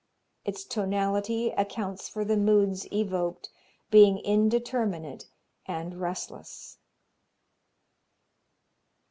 Its tonality accounts for the moods evoked, being indeterminate and restless.